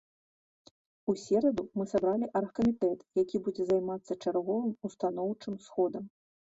У сераду мы сабралі аргкамітэт, які будзе займацца чарговым устаноўчым сходам.